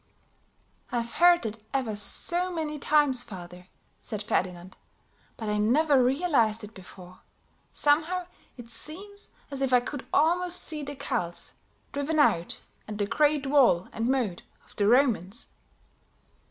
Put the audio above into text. "I've heard that ever so many times, father," said Ferdinand, "but I never realized it before; somehow it seems as if I could almost see the Celts driven out and the great wall and moat of the Romans."